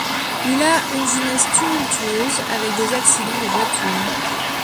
Il a une jeunesse tumultueuse, avec des accidents de voiture.